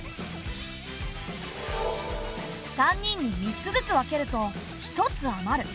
３人に３つずつ分けると１つ余る。